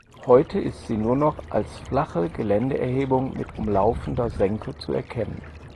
Heute ist sie nur noch als flache Geländeerhebung mit umlaufender Senke zu erkennen.